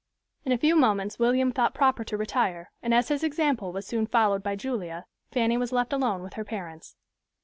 In a few moments William thought proper to retire, and as his example was soon followed by Julia, Fanny was left alone with her parents.